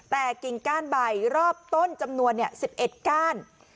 แต่กิ่งก้านใบรอบต้นจำนวน๑๑ก้าน